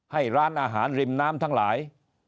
ให้ร้านอาหารริมน้ำทั้งหลาย